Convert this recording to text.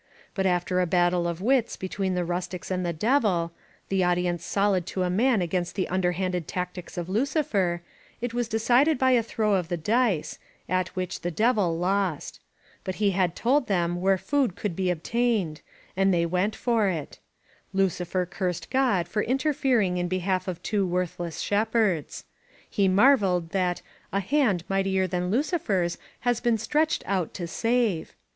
But after a battle of wits between the rustics and the Devil — the audience solid to a man against the imderhanded tactics of Lucifer — ^it was decided by a LOS PASTORES throw of the dice, at which the Devil lost. But he had told them where food eould be obtained, and they went for it. Lucifer cursed God for interfering in be half of two worthless shepherds. He marveled that "a hand mightier than Lucifer* s has been stretched out. to save."